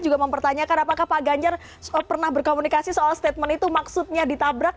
juga mempertanyakan apakah pak ganjar pernah berkomunikasi soal statement itu maksudnya ditabrak